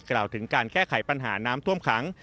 กล่าวถึงการแก้ไขปัญหาน้ำท่วมขัง